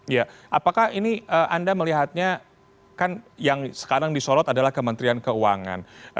ya apakah ini anda melihatnya kan yang sekarang disorot adalah kementerian keuangan